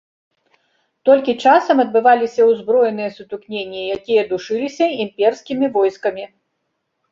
Толькі часам адбываліся ўзброеныя сутыкненні, якія душыліся імперскімі войскамі.